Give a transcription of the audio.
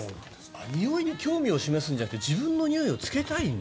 においに興味を示すんじゃなくて自分のにおいをつけたいんだ。